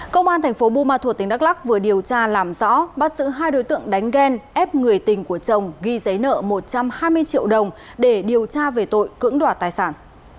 công an thành phố buôn ma thuột tỉnh đắk lắc vừa điều tra làm rõ bắt giữ hai đối tượng đánh ghen ép người tình của chồng ghi giấy nợ một trăm hai mươi triệu đồng để điều tra về tội cưỡng đoạt tài sản